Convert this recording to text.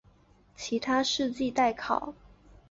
其他事迹待考。